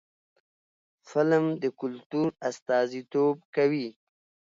فلم د کلتور استازیتوب کوي